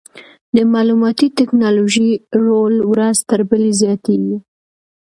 د معلوماتي ټکنالوژۍ رول ورځ تر بلې زیاتېږي.